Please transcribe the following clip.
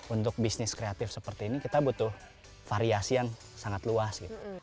untuk bisnis kreatif seperti ini kita butuh variasi yang sangat luas